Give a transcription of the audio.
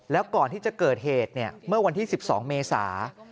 แล้วก่อนที่จะเกิดเหตุเมื่อวันที่๑๒เมษา